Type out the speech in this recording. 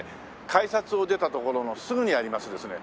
改札を出たところのすぐにありますですね